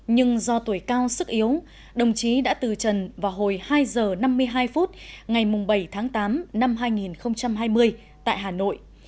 nhưng do tuổi cao sức yếu đồng chí đã từ trần vào hồi hai h năm mươi hai phút ngày bảy tháng tám năm hai nghìn hai mươi tại hà nội